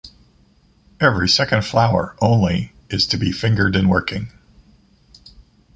Every second flower, only, is to be fingered in working.